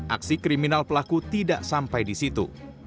aksi kriminal pelaku tidak sampai di situ